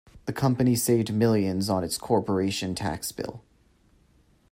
The company saved millions on its corporation tax bill.